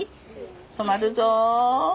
染まるぞ。